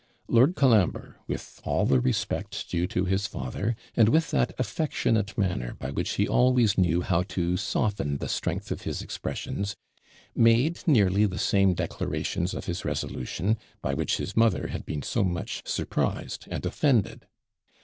Lord Colambre, with all the respect due to his father, and with that affectionate manner by which he always knew how to soften the strength of his expressions, made nearly the same declarations of his resolution, by which his mother had been so much surprised and offended.